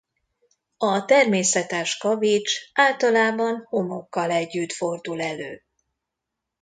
A természetes kavics általában homokkal együtt fordul elő.